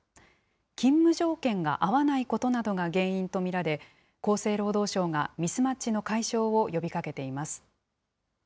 勤務条件が合わないことなどが原因と見られ、厚生労働省がミスマッチの解消を呼びかけています。